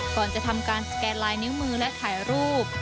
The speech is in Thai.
ก่อนจะทำการสแกนลายนิ้วมือและถ่ายรูป